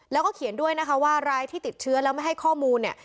แล้วก็เขียนด้วยนะคะว่ารายที่ติดเชื้อแล้วไม่ให้ข้อมูลเนี่ย